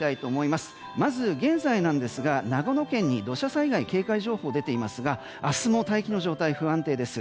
まず、現在なんですが長野県に土砂災害警戒情報が出ていますが明日も大気の状態、不安定です。